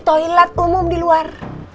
toilet umum di luar